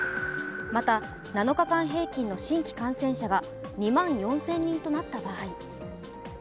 また、７日間平均の新規感染者が２万４０００人となった場合。